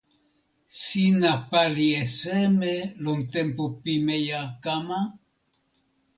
sina pali e seme lon tenpo pimeja kama?